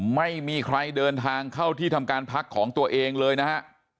ไม่มีใครเดินทางเข้าที่ทำการพักของตัวเองเลยนะฮะ